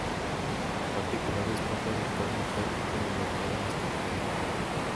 Particulares pronto adoptaron la práctica de dotar a las cátedras.